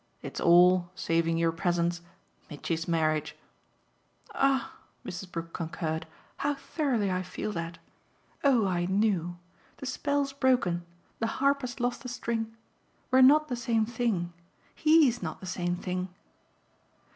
It's all, saving your presence, Mitchy's marriage." "Ah," Mrs. Brook concurred, "how thoroughly I feel that! Oh I knew. The spell's broken; the harp has lost a string. We're not the same thing. HE'S not the same thing."